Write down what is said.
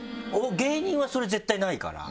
芸人はそれ絶対ないから。